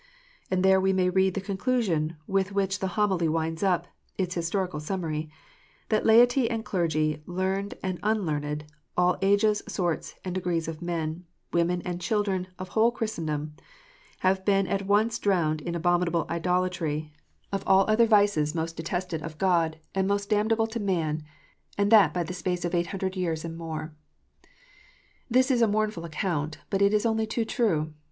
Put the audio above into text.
And there we may read the conclusion with which the Homily winds up its historical summary, "that laity and clergy, learned and unlearned, all ages, sorts, and degrees of men, women, and children of whole Christendom, have been at once drowned in abominable idolatry, of all other vices most detested IDOLATRY. 409 of God, and most damnable to man, and that by the space of 800 years and more." This is a mournful account, but it is only too true.